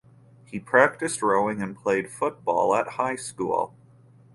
He practiced rowing and played football at high school.